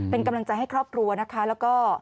เป็นกำลังใจให้ครอบครัวนะคะแล้วก็